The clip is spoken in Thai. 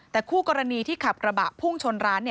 แต่คู่กรณีที่ขับกระบะพุ่งชนร้าน